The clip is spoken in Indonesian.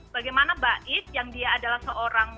bagaimana baik yang dia adalah seorang